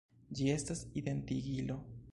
Ĝi estas identigilo.